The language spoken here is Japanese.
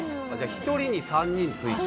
１人に３人付いて。